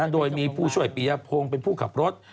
โดยมีผู้ช่วยปียพงศ์เป็นผู้ขับรถ